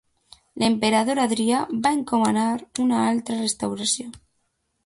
L'emperador Adrià va encomanar una altra restauració.